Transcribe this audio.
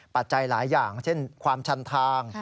จัยหลายอย่างเช่นความชันทาง